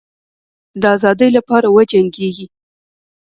د آزادی لپاره وجنګېږی.